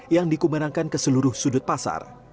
yang dikumenangkan ke seluruh sudut pasar